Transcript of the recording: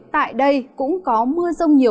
tại đây cũng có mưa rông nhiều